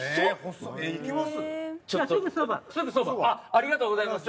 ありがとうございます。